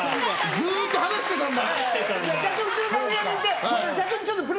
ずっと話してたんだ。